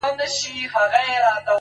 • په عام محضر کي -